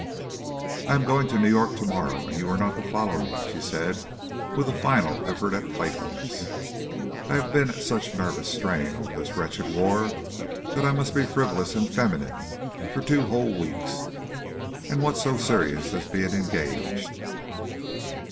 "I am going to New York to morrow, and you are not to follow me," she said with a final effort at playfulness. "I have been at such a nervous strain over this wretched war that I must be frivolous and feminine for two whole weeks and what so serious as being engaged?"